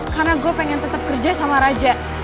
karena gue pengen tetep kerja sama raja